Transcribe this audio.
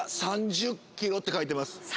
俵３０ｋｇって書いてます３０！？